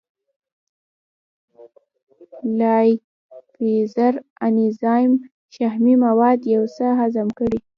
لایپیز انزایم شحمي مواد یو څه هضم کړي.